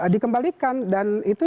dikembalikan dan itu